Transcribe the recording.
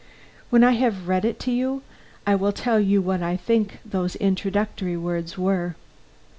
When I have read it to you, I will tell you what I think those introductory words were."